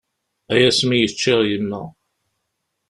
Ay asmi i ččiɣ yemma!